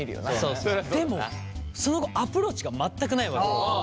そうそうでもその後アプローチが全くないわけよ。